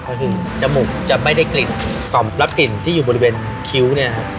ก็คือจมูกจะไม่ได้กลิ่นตอบรับกลิ่นที่อยู่บริเวณคิ้วเนี่ยครับ